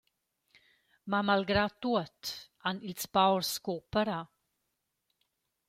Ma malgrà tuot han ils paurs cooperà.